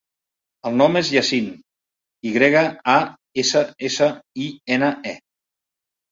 El nom és Yassine: i grega, a, essa, essa, i, ena, e.